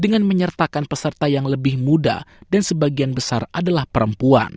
dengan menyertakan peserta yang lebih muda dan sebagian besar adalah perempuan